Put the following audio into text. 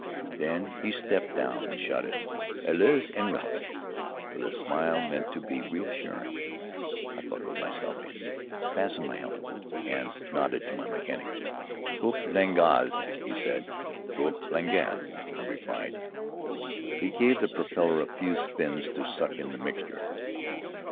Then he stepped down and shouted, "Allez! en route!" with a smile meant to be reassuring. I buckled myself in, fastened my helmet, and nodded to my mechanic. "Coupe, plein gaz," he said. "Coupe, plein gaz," I repeated. He gave the propeller a few spins to suck in the mixture.